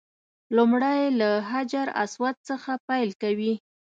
لومړی له حجر اسود څخه پیل کوي.